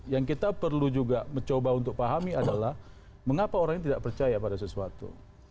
yang kita perlu juga mencoba untuk pahami adalah mengapa orang ini tidak percaya pada sesuatu